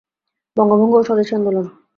বঙ্গভঙ্গ ও স্বদেশী আন্দোলন